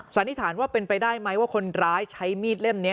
สันนิษฐานว่าเป็นไปได้ไหมว่าคนร้ายใช้มีดเล่มนี้